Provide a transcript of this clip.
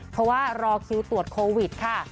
เพราะว่ารอคิวตรวจโควิดค่ะ